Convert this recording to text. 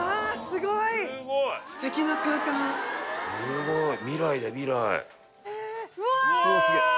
すごい！